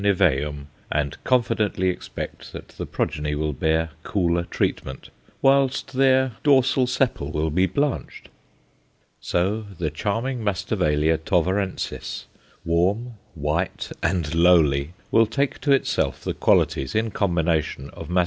niveum_ and confidently expect that the progeny will bear cooler treatment, whilst their "dorsal sepal" will be blanched. So the charming Masdevallia Tovarensis, warm, white and lowly, will take to itself the qualities, in combination, of _Mas.